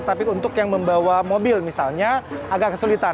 tapi untuk yang membawa mobil misalnya agak kesulitan